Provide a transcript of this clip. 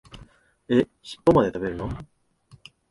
え、しっぽまで食べるの？